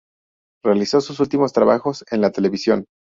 Realizó sus últimos trabajos en la televisión.